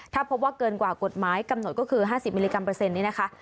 ถ้าพบว่าเกินกว่ากฎหมายกำหนดก็คือ๕๐มิลลิกรัเปอร์เซ็นนี้นะคะ